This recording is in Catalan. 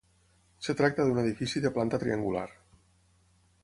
Es tracta d'un edifici de planta triangular.